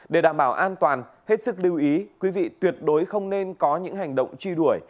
để đảm bảo an toàn hết sức lưu ý quý vị tuyệt đối không nên có những hành động truy đuổi